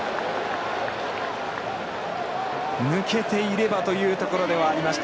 抜けていればというところではありました。